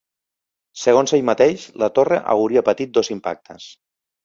Segons ell mateix, la torre hauria patit dos impactes.